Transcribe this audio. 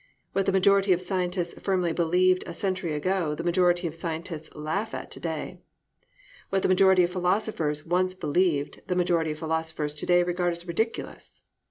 What the majority of scientists firmly believed a century ago the majority of scientists laugh at to day. What the majority of philosophers once believed, the majority of philosophers to day regard as ridiculous.